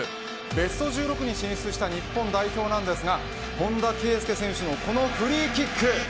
ベスト１６に進出した日本代表ですが本田圭祐選手のこのフリーキック。